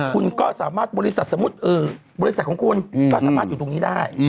คุณก็สามารถบริษัทสมมุติบริษัทของคุณก็สามารถอยู่ตรงนี้ได้